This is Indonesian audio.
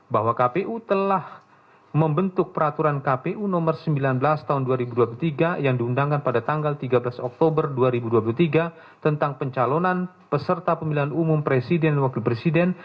bahwa kpu telah membentuk peraturan kpu nomor sembilan belas tahun dua ribu dua puluh tiga yang diundangkan pada tanggal tiga belas oktober dua ribu dua puluh tiga tentang pencalonan peserta pemilihan umum presiden dan wakil presiden